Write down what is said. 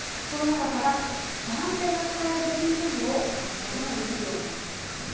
その中から、男性が使えるベビールームを探すこともできるようになっています。